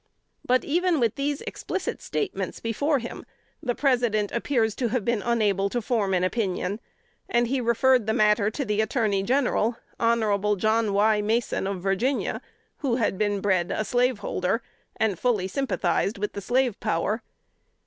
But even with these explicit statements before him, the President appears to have been unable to form an opinion; and he referred the matter to the Attorney General, Hon. John Y. Mason, of Virginia, who had been bred a slaveholder, and fully sympathized with the slave power.